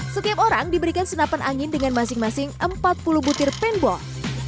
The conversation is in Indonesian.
setiap orang diberikan senapan angin dengan masing masing empat puluh butir paintboard